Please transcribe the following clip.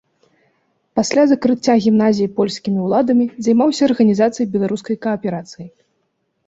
Пасля закрыцця гімназіі польскімі ўладамі займаўся арганізацыяй беларускай кааперацыі.